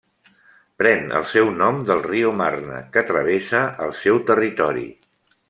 Pren el seu nom del riu Marne, que travessa el seu territori.